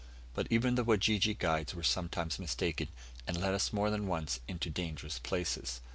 But even the Wajiji guides were sometimes mistaken, and led us more than once into dangerous places.